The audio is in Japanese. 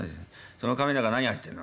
その瓶ん中何入ってんの？